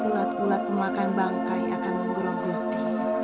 ulat ulat pemakan bangkai akan menggeroguti